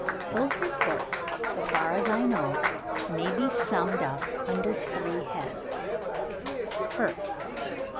Those reports, so far as I know, may be summed up under three heads. "(First.)